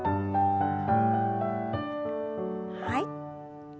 はい。